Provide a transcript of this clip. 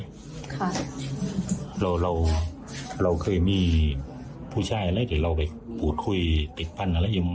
ค่ะเราเคยมีผู้ชายอะไรที่เราไปพูดคุยติดพันธุ์อะไรยังมั้ย